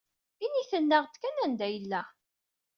I tinid-aneɣ-d kan anda yella?